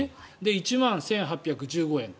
１万１８１５円と。